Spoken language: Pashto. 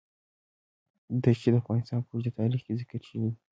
دښتې د افغانستان په اوږده تاریخ کې ذکر شوی دی.